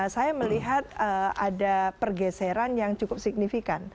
saya melihat ada pergeseran yang cukup signifikan